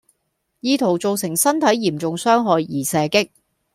意圖造成身體嚴重傷害而射擊